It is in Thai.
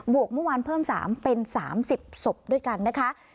วกเมื่อวานเพิ่ม๓เป็น๓๐ศพด้วยกันนะคะ